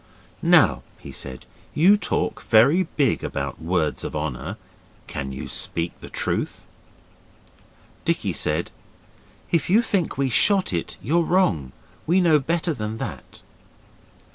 'Now,' he said, 'you talk very big about words of honour. Can you speak the truth?' Dickie said, 'If you think we shot it, you're wrong. We know better than that.